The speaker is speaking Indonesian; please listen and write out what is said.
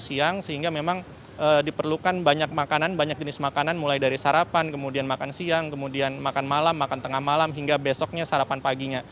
sehingga memang diperlukan banyak makanan banyak jenis makanan mulai dari sarapan kemudian makan siang kemudian makan malam makan tengah malam hingga besoknya sarapan paginya